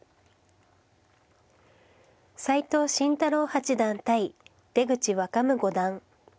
斎藤慎太郎八段対出口若武五段。